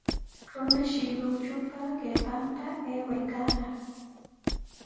Runashi lluychupa qipanta aywanaq.